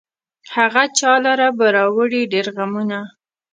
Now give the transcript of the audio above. هغه چا لره به راوړي ډېر غمونه